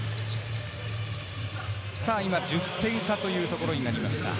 今、１０点差というところになりました。